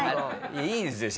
いいですよ